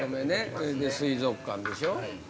それで水族館でしょ。